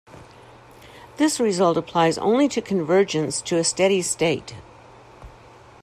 This result applies only to convergence to a steady state.